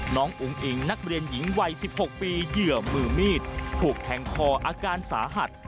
อุ้งอิงนักเรียนหญิงวัย๑๖ปีเหยื่อมือมีดถูกแทงคออาการสาหัส